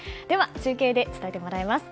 中継で伝えてもらいます。